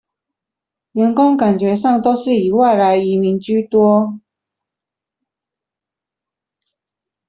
員工感覺上都是以外來移民居多